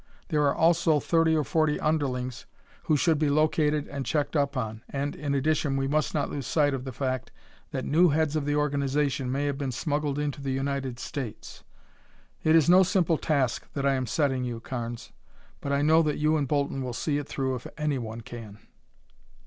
There are also thirty or forty underlings who should be located and checked up on, and, in addition, we must not lose sight of the fact that new heads of the organization may have been smuggled into the United States. It is no simple task that I am setting you, Carnes, but I know that you and Bolton will see it through if anyone can."